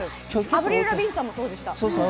アヴリル・ラヴィーンさんもそうでした。